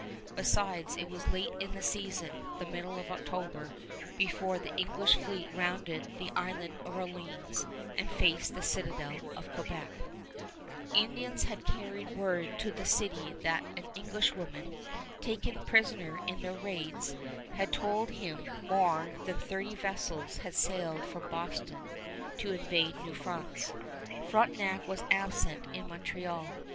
Besides, it was late in the season the middle of October before the English fleet rounded the Island of Orleans and faced the Citadel of Quebec. [Illustration: COUNT FRONTENAC (From a statue at Quebec)] Indians had carried word to the city that an Englishwoman, taken prisoner in their raids, had told them more than thirty vessels had sailed from Boston to invade New France. Frontenac was absent in Montreal.